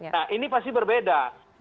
nah ini pasti berbeda